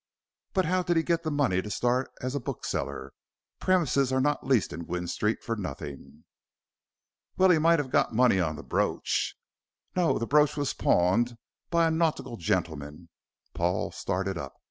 "But how did he get money to start as a bookseller? Premises are not leased in Gwynne Street for nothing." "Well, he might have got money on the brooch." "No. The brooch was pawned by a nautical gentleman." Paul started up.